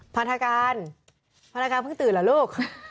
พนักการเพิ่งตื่นเหรอลูก